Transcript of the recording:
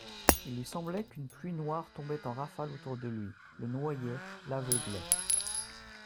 Il lui semblait qu'une pluie noire tombait en rafale autour de lui, le noyait, l'aveuglait.